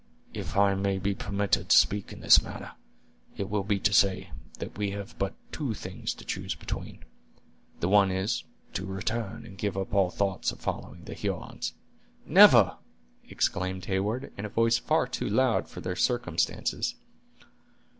"If I may be permitted to speak in this matter, it will be to say, that we have but two things to choose between: the one is, to return, and give up all thoughts of following the Hurons—" "Never!" exclaimed Heyward, in a voice far too loud for their circumstances.